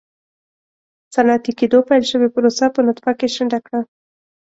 صنعتي کېدو پیل شوې پروسه په نطفه کې شنډه کړه.